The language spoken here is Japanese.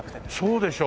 そうでしょ。